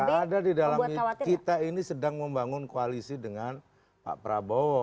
tidak ada di dalam kita ini sedang membangun koalisi dengan pak prabowo